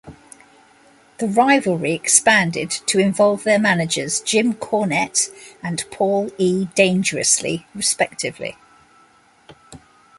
The rivalry expanded to involve their managers Jim Cornette and Paul E. Dangerously respectively.